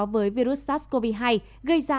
với virus sars cov hai gây ra